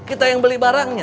kita yang beli barangnya